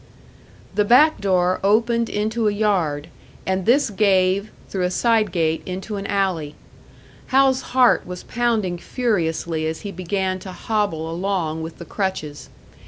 The back door opened into a yard, and this gave, through a side gate, into an alley. Hal's heart was pounding furiously as he began to hobble along with the crutches.